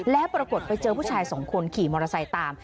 แล้วปรากฏไปเจอผู้ชายสองคนขี่มอเตอร์ไซค์ตาม